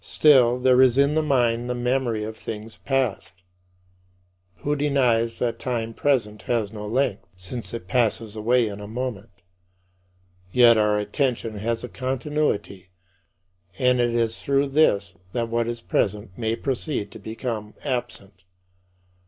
Still there is in the mind the memory of things past. Who denies that time present has no length, since it passes away in a moment? Yet, our attention has a continuity and it is through this that what is present may proceed to become absent.